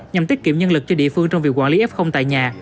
nhằm tiết kiệm nhân lực cho địa phương trong việc quản lý f tại nhà